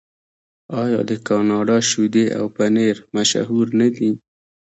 آیا د کاناډا شیدې او پنیر مشهور نه دي؟